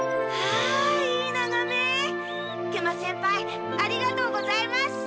ありがとうございます。